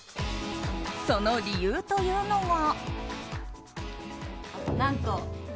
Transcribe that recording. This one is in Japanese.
その理由というのが。